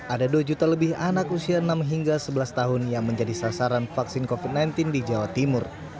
ada dua juta lebih anak usia enam hingga sebelas tahun yang menjadi sasaran vaksin covid sembilan belas di jawa timur